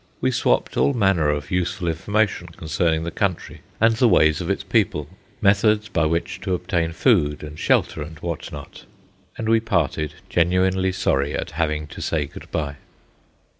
We swapped all manner of useful information concerning the country and the ways of its people, methods by which to obtain food and shelter and what not, and we parted genuinely sorry at having to say good bye.